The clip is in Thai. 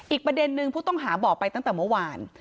อีกประเด็นนึงผู้ต้องหาบอกไปตั้งแต่เมื่อวาน